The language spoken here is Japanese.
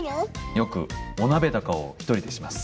よくお鍋とかを１人でします。